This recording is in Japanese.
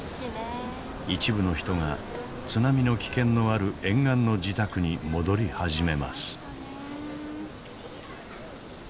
一部の人が津波の危険のある沿岸の自宅に戻り始めます。